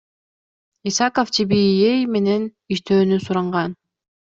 Исаков ТВЕА менен иштөөнү суранган.